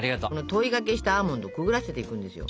糖衣がけしたアーモンドをくぐらせていくんですよ。